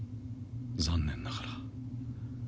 残念ながら。